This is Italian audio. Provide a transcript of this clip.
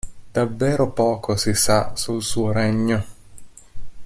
Davvero poco si sa sul suo regno.